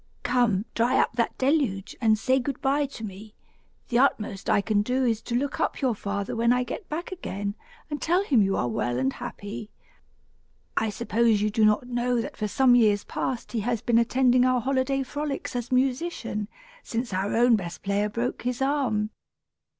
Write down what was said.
"Come, dry up that deluge, and say good by to me. The utmost I can do is to look up your father when I get back again, and tell him you are well and happy. I suppose you do not know that for some years past he has been attending our holiday frolics as musician, since our own best player broke his arm.